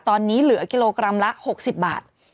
ตอนนี้เหลือกิโลกรัมละ๖๐บาท